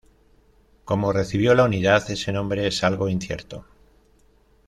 Cómo recibió la unidad ese nombre es algo incierto.